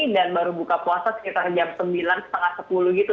dan baru buka puasa sekitar jam sembilan setengah sepuluh gitu